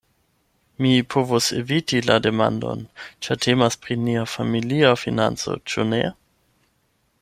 Mi povus eviti la demandon, ĉar temas pri nia familia financo, ĉu ne?